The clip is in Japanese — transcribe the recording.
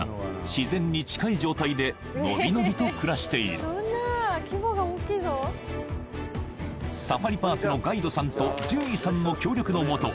自然に近い状態でのびのびと暮らしているサファリパークのガイドさんと獣医さんの協力のもと